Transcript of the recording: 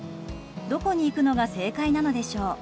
どこに行くのが正解なのでしょう。